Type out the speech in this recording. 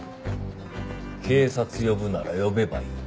警察呼ぶなら呼べばいい。